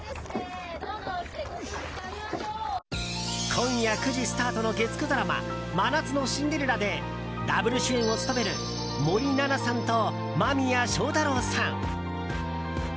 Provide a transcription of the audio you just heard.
今夜９時スタートの月９ドラマ「真夏のシンデレラ」でダブル主演を務める森七菜さんと間宮祥太朗さん。